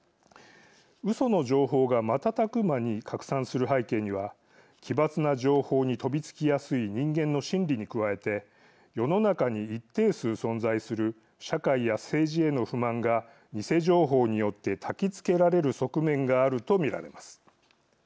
うその情報が瞬く間に拡散する背景には奇抜な情報に飛びつきやすい人間の心理に加えて世の中に一定数存在する社会や政治への不満が偽情報によってたきつけられる側面があると見られます。